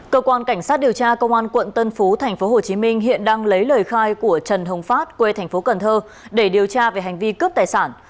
cơ quan cảnh sát điều tra công an quận tân phú tp hcm hiện đang lấy lời khai của trần hồng phát quê tp cnh để điều tra về hành vi cướp tài sản